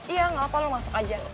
iya gak apa lo masuk aja